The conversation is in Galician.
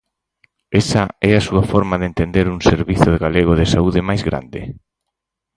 ¿Esa é a súa forma de entender un Servizo Galego de Saúde máis grande?